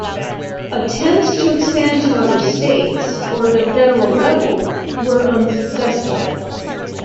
Attempts to expand to other states or the federal level were unsuccessful.